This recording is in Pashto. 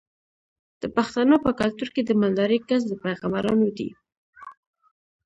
د پښتنو په کلتور کې د مالدارۍ کسب د پیغمبرانو دی.